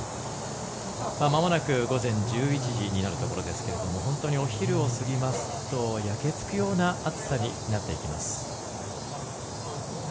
まもなく午前１１時になるところですが本当にお昼を過ぎますと焼け付くような暑さになっていきます。